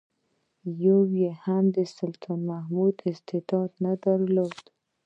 یو یې هم د سلطان محمود استعداد نه درلود.